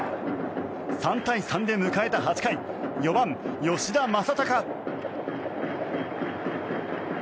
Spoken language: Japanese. ３対３で迎えた８回４番、吉田正尚。